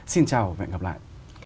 xin chào và hẹn gặp lại